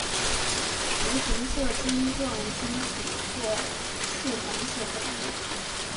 橘红色针状晶体或赭黄色粉末。